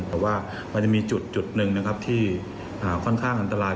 แต่ว่ามันจะมีจุดหนึ่งนะครับที่ค่อนข้างอันตราย